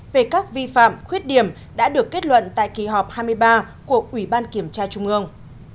về các vi phạm khuyết điểm đã được kết luận tại kỳ họp hai mươi ba của ủy ban kiểm tra trung ương